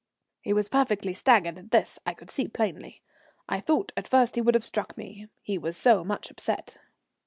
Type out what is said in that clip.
He was perfectly staggered at this, I could see plainly. I thought at first he would have struck me, he was so much upset.